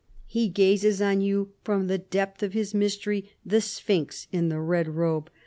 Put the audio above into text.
"He gazes on you from the depth of his mystery, the sphinx in the red robe.